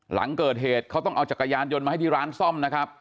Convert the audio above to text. หลังเกิดเหตุเขาต้องเอาจักรยานยนต์มาให้ที่ร้านซ่อมนะครับ